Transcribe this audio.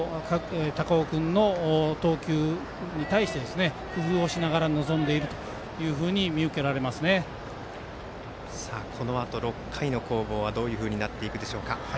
高尾君の投球に対して工夫をしながら臨んでいるというふうにこのあと６回の攻防はどういうふうになっていくでしょうか。